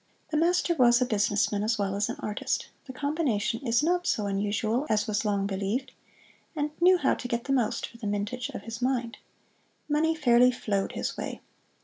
The master was a businessman, as well as an artist the combination is not so unusual as was long believed and knew how to get the most for the mintage of his mind. Money fairly flowed his way.